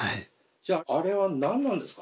じゃああれは何なんですか？